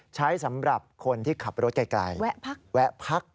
สำหรับคนที่ขับรถไกลแวะพัก